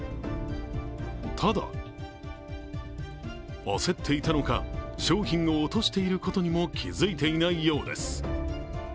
ただ、焦っていたのか商品を落としていることにも気付いていないようです。